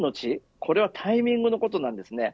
これはタイミングのことなんですね。